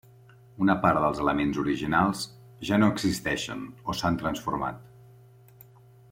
Una part dels elements originals, ja no existeixen o s’han transformat.